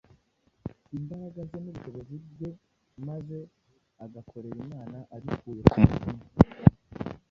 imbaraga ze n’ubushobozi bwe maze agakorera Imana abikuye ku mutima.